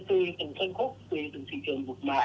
tùy từng phân khúc tùy từng thị trường một mà